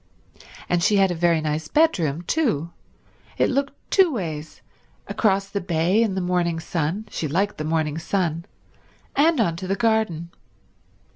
And she had a very nice bedroom, too; it looked two ways, across the bay in the morning sun—she liked the morning sun—and onto the garden.